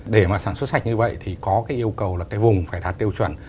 để mà sản xuất sạch như vậy thì có cái yêu cầu là cái vùng phải đạt tiêu chuẩn